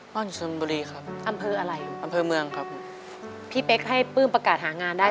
อนอยู่ชนบุรีครับอำเภออะไรอำเภอเมืองครับพี่เป๊กให้ปลื้มประกาศหางานได้